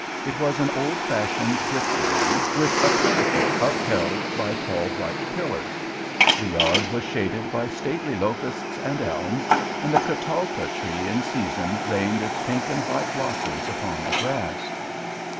It was an old fashioned brick building, with a portico upheld by tall white pillars. The yard was shaded by stately locusts and elms, and a catalpa tree in season rained its pink and white blossoms upon the grass.